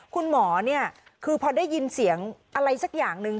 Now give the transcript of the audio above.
คุณหมอเนี่ยคือพอได้ยินเสียงอะไรสักอย่างหนึ่ง